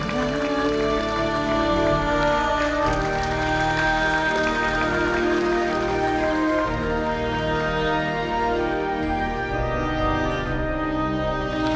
hanya indah tuhan mahat masa